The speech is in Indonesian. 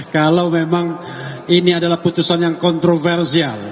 kalau memang ini adalah putusan yang kontroversial